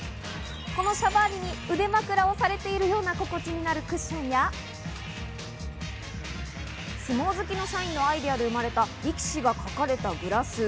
このシャバーニに腕枕されているような心地になるクッションや、相撲好きの社員のアイデアで生まれた力士が描かれたグラス。